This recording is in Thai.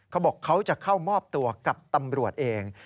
เขาบอกเขาจะเข้ามอบตัวกับตำรวจเอง